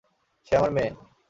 সে আমার মেয়ে।